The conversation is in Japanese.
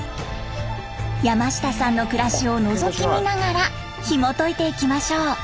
山下さんの暮らしをのぞき見ながらひもといていきましょう。